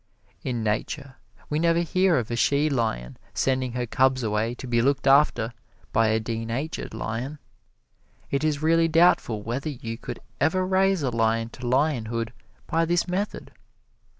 In Nature we never hear of a she lion sending her cubs away to be looked after by a denatured lion. It is really doubtful whether you could ever raise a lion to lionhood by this method.